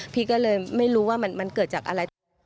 พี่ก็เลยไม่รู้ว่ามันเกิดจากอะไร